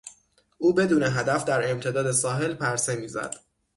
او بدون هدف در امتداد ساحل پرسه میزد.